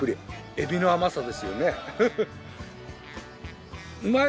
エビの甘さですよね。